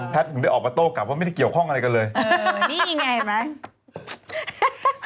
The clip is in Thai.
ถึงได้ออกมาโต้กลับว่าไม่ได้เกี่ยวข้องอะไรกันเลยเออนี่ไงเห็นไหม